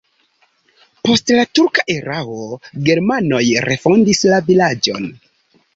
Post la turka erao germanoj refondis la vilaĝon.